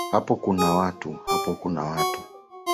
Hapo kuna watu